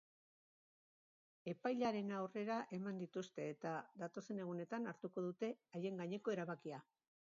Epailearen aurrera eman dituzte eta datozen egunetan hartuko dute haien gaineko erabakia.